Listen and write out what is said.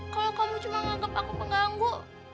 kalau kamu cuma menganggap aku pengganggu